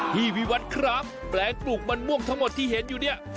พี่วิวัตรครับแปลงปลูกมันม่วงทั้งหมดที่เห็นอยู่เนี่ย